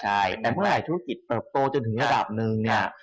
ใช่แต่เมื่อไหร่ธุรกิจเติบโตจนถึงระดับหนึ่งเนี่ย